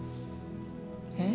えっ？